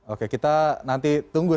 oke kita nanti tunggu